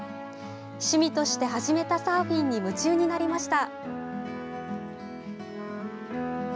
趣味として始めたサーフィンに夢中になりました。